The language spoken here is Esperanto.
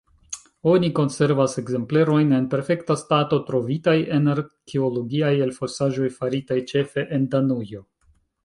Oni konservas ekzemplerojn en perfekta stato trovitaj en arkeologiaj elfosaĵoj faritaj ĉefe en Danujo.